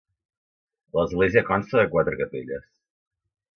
L'església consta de quatre capelles.